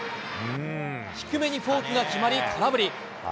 低めにフォークが決まり、空振り。